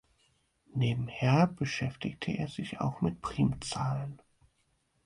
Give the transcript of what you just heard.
Nebenher beschäftigte er sich auch mit Primzahlen.